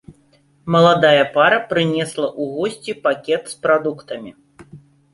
Маладая пара прынесла ў госці пакет з прадуктамі.